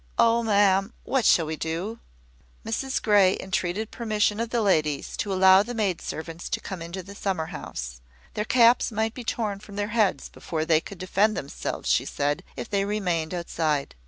Oh, ma'am, what shall we do?" Mrs Grey entreated permission of the ladies to allow the maid servants to come into the summer house. Their caps might be torn from their heads before they could defend themselves, she said, if they remained outside.